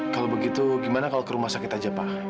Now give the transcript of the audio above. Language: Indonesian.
kalau begitu gimana kalau ke rumah sakit aja pak